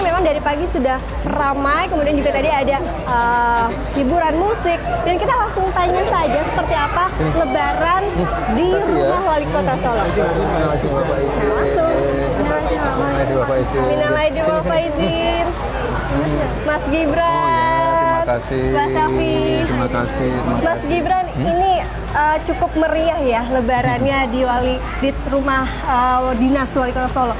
biasanya tradisi seperti apa mas kalau lebaran seperti ini